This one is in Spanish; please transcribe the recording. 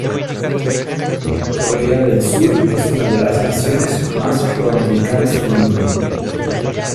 Corea del Sur es una de las naciones más pro-americanas del mundo.